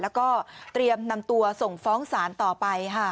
แล้วก็เตรียมนำตัวส่งฟ้องศาลต่อไปค่ะ